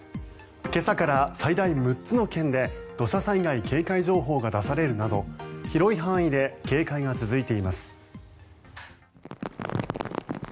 今朝から最大６つの県で土砂災害警戒情報が出されるなど広い範囲で警戒が続いています。